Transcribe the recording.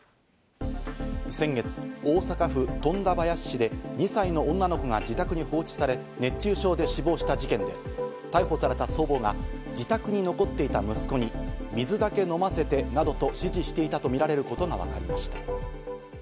先月、大阪府富田林市で２歳の女の子が自宅に放置され熱中症で死亡した事件で、逮捕された祖母が自宅に残っていた息子に水だけ飲ませてなどと、指示していたとみられることがわかりました。